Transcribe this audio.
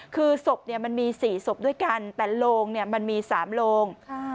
คือศพมี๔ศพด้วยกันแต่โลงมี๓โลง